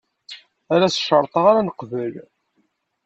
Ala s ccerṭ-a ara neqbel.